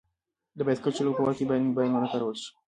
د بایسکل چلولو په وخت باید موبایل ونه کارول شي.